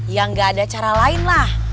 ya nggak ada cara lain lah